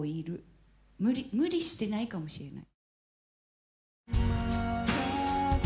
無理してないかもしれない。